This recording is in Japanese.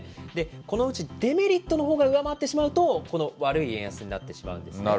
このうちデメリットのほうが上回ってしまうと、この悪い円安になってしまうんですね。